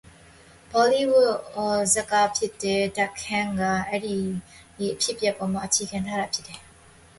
A Bollywood movie ("Dhadkan") was based on it.